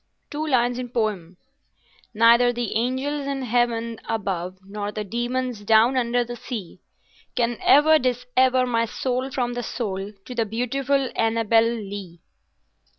"Two lines in Poe— Neither the angels in Heaven above nor the demons down under the sea, Can ever dissever my soul from the soul of the beautiful Annabel Lee.